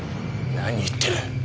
何言ってる。